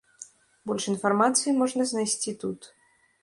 Больш інфармацыі можна знайсці тут.